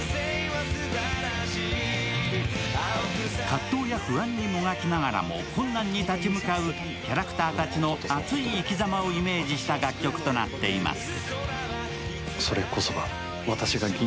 葛藤や不安にもがきながらも困難に立ち向かうキャラクターたちの熱い生きざまをイメージした楽曲となっています。